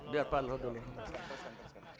biar pak luhut dulu